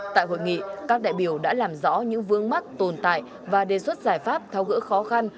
tại hội nghị các đại biểu đã làm rõ những vương mắc tồn tại và đề xuất giải pháp thao gỡ khó khăn